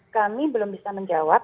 kami belum bisa menjawab